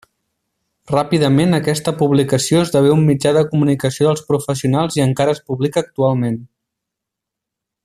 Ràpidament aquesta publicació esdevé un mitjà de comunicació dels professionals i encara es publica actualment.